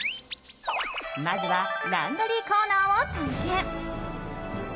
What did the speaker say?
まずはランドリーコーナーを探検。